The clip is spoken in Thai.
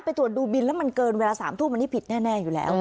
ตรวจดูบินแล้วมันเกินเวลา๓ทุ่มอันนี้ผิดแน่อยู่แล้ว